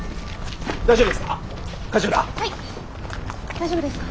大丈夫ですか？